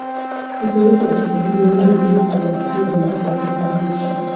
هڅه وکړه چې په هره ورځ کې لږ پرمختګ هم د خوښۍ لامل شي.